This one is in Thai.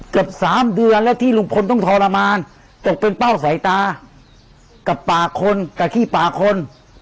เกือบสามเดือนแล้วที่ลุงพลต้องทรมานตกเป็นเป้าสายตากับปากคนกับขี้ปากคน